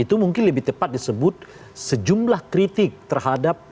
itu mungkin lebih tepat disebut sejumlah kritik terhadap